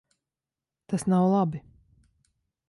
Tas nav labi.